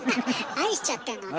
愛しちゃってんのね。